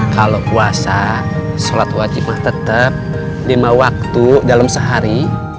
kalo puasa sholat wajib mah tetep lima waktu dalam sehari